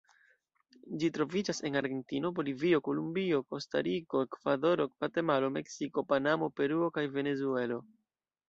Ĝi troviĝas en Argentino, Bolivio, Kolumbio, Kostariko, Ekvadoro, Gvatemalo, Meksiko, Panamo, Peruo kaj Venezuelo.